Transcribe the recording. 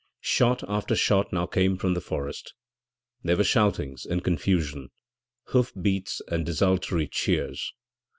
< 7 > Shot after shot now came from the front. There were shoutings and confusion, hoof beats and desultory cheers.